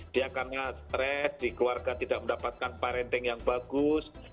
dia karena stres dikeluarga tidak mendapatkan parenting yang bagus